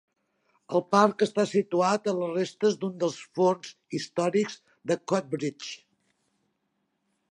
El parc està situat a les restes d'un dels forns històrics de Coatbridge.